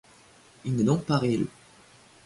Il n'est donc pas réélu.